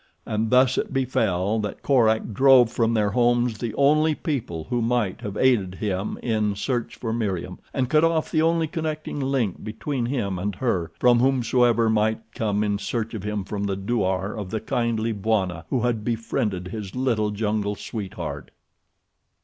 And thus it befell that Korak drove from their homes the only people who might have aided him in a search for Meriem, and cut off the only connecting link between him and her from whomsoever might come in search of him from the douar of the kindly Bwana who had befriended his little jungle sweetheart.